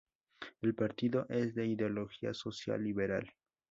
El partido es de ideología social-liberal.